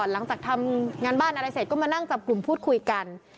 หลังจากทำงานบ้านอะไรเสร็จก็มานั่งจับกลุ่มพูดคุยกัน